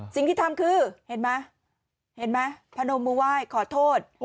สิ่งที่ทำคือเห็นไหมเห็นไหมพนมมือไหว้ขอโทษ